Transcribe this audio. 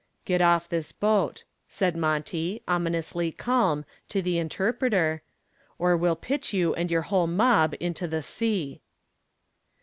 "Get off this boat," said Monty, ominously calm, to the interpreter, "or we'll pitch you and your whole mob into the sea."